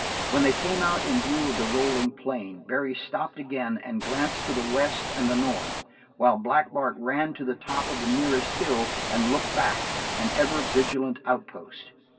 When they came out in view of the rolling plain Barry stopped again and glanced to the west and the north, while Black Bart ran to the top of the nearest hill and looked back, an ever vigilant outpost.